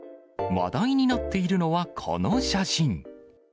話題になっているのはこの写真。